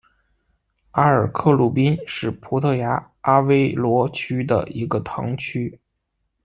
阿尔克鲁宾是葡萄牙阿威罗区的一个堂区。